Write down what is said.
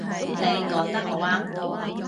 你講得好啱